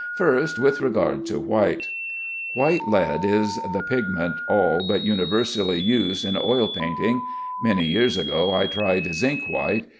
First, with regard to white. White lead is the pigment all but universally used in oil painting. Many years ago I tried zinc white.